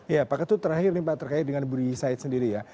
ya pak ketut terakhir nih pak terkait dengan budi said sendiri ya